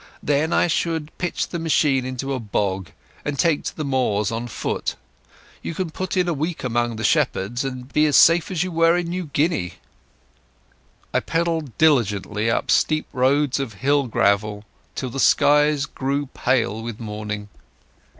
Then I should pitch the machine into a bog and take to the moors on foot. You can put in a week among the shepherds, and be as safe as if you were in New Guinea." I pedalled diligently up steep roads of hill gravel till the skies grew pale with morning.